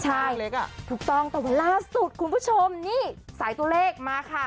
ใช่ถูกต้องแต่วันล่าสุดคุณผู้ชมนี่สายตัวเลขมาค่ะ